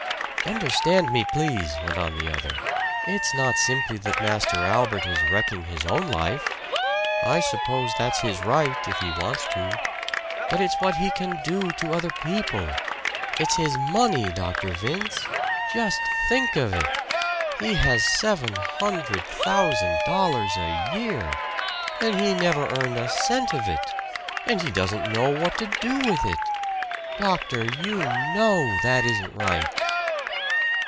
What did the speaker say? "Understand me, please," went on the other. "It's not simply that Master Albert is wrecking his own life. I suppose that's his right, if he wants to. But it's what he can do to other people! It's his money, Dr. Vince! Just think of it, he has seven hundred thousand dollars a year! And he never earned a cent of it; and he doesn't know what to do with it! Doctor, you KNOW that isn't right!"